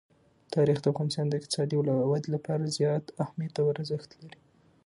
تاریخ د افغانستان د اقتصادي ودې لپاره ډېر زیات اهمیت او ارزښت لري.